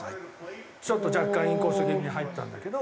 ちょっと若干インコース気味に入ったんだけど。